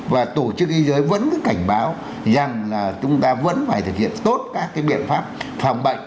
và tổ chức y giới vẫn có cảnh báo rằng là chúng ta vẫn phải thực hiện tốt các cái biện pháp phòng bệnh